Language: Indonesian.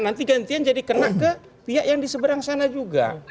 nanti gantian jadi kena ke pihak yang di seberang sana juga